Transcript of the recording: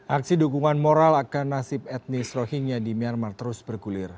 aksi dukungan moral akan nasib etnis rohingya di myanmar terus bergulir